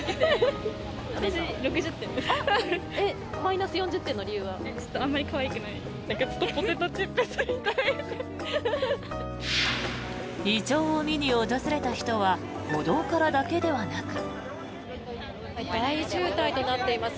イチョウを見に訪れた人は歩道からだけではなく。